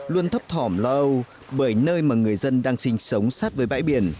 luôn thấp thỏm lo âu bởi nơi mà người dân đang sinh sống sát với bãi biển